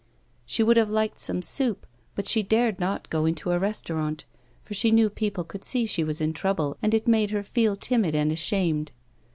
She would have liked some soup, but she dared not go into a restaurant, for she knew people could see she was in trouble, and it made her feel timid and ashamed.